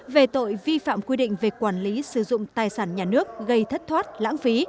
về tội vi phạm quy định về quản lý sử dụng tài sản nhà nước gây thất thoát lãng phí